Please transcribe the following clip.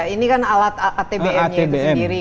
ini kan alat atbmnya itu sendiri